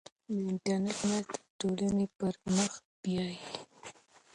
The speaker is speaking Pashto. د انټرنیټ مرسته ټولنه پرمخ بیايي.